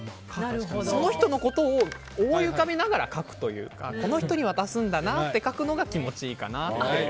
その人のことを思い浮かべながら書くというかこの人に渡すんだなって書くのが気持ちいいかなと。